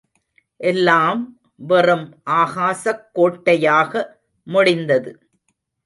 எல்லாம் வெறும் ஆகாசக் கோட்டையாக முடிந்தது.